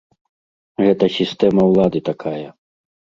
Гэта сістэма ўлады такая.